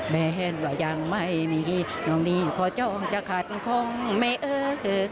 เห็นว่ายังไม่มีน้องนี่ขอจองจะขัดคงไม่เออ